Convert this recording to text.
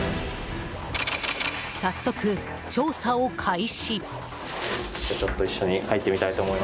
早速、調査を開始。